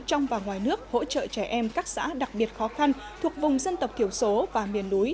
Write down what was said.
trong và ngoài nước hỗ trợ trẻ em các xã đặc biệt khó khăn thuộc vùng dân tộc thiểu số và miền núi